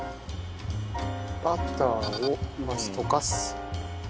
バターをまず溶かす。